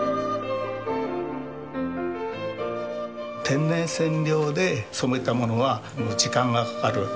天然染料で染めたものは時間がかかる。